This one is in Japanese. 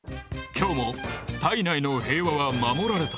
今日も体内の平和は守られた。